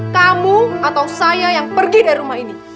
kamu atau saya yang pergi dari rumah ini